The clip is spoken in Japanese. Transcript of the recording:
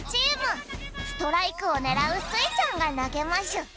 ストライクをねらうスイちゃんがなげましゅ